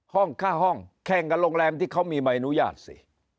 ค่าห้องแข่งกับโรงแรมที่เขามีใบอนุญาตสิ